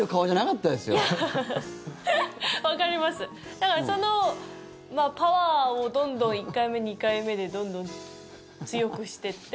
だから、そのパワーをどんどん１回目、２回目でどんどん強くしていって。